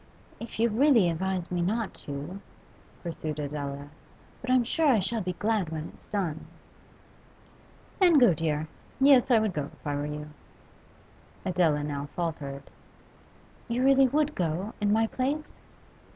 'If you really advise me not to ' pursued Adela. 'But I'm sure I shall be glad when it's done.' 'Then go, dear. Yes, I would go if I were you.' Adela now faltered. 'You really would go, in my place?